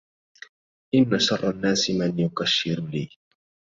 إن شر الناس من يكشر لي